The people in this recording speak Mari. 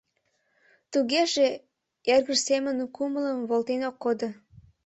Тугеже, эргыж семын кумылым волтен ок кодо.